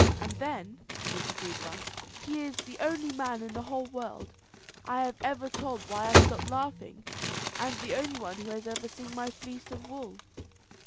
"And then," said the Gruagach, "he is the only man in the whole world I have ever told why I stopped laughing, and the only one who has ever seen my fleece of wool."